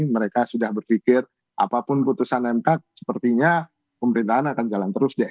mereka sudah berpikir apapun putusan mk sepertinya pemerintahan akan jalan terus deh